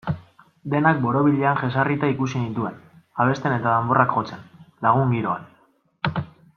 Denak borobilean jesarrita ikusi nituen, abesten eta danborrak jotzen, lagun-giroan.